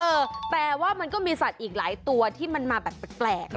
เออแต่ว่ามันก็มีสัตว์อีกหลายตัวที่มันมาแบบแปลก